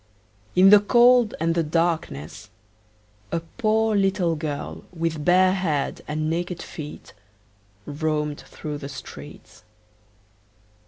In the cold and the darkness, a poor little girl, with bare head and naked feet, roamed through the streets.